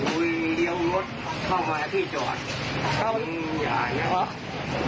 อุ้ยเดี๋ยวรถเข้ามาพี่จอดเข้าอย่างนี้